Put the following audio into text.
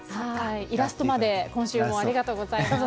イラストまで今週もありがとうございます。